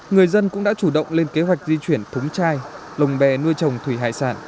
người dân cũng đã chủ động lên kế hoạch di chuyển thúng chai lồng bè nuôi trồng thủy hải sản